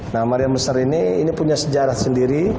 nah marian mr ini ini punya sejarah sendiri